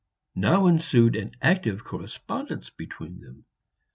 Now ensued an active correspondence between them.